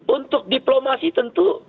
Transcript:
untuk diplomasi tentu